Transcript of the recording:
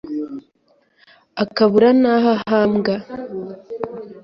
akabura n’aho ahambwa,